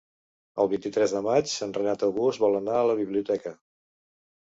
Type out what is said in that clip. El vint-i-tres de maig en Renat August vol anar a la biblioteca.